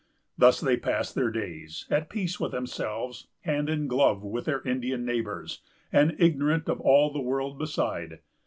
Thus they passed their days, at peace with themselves, hand and glove with their Indian neighbors, and ignorant of all the world beside.